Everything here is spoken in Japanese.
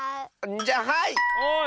じゃあはい！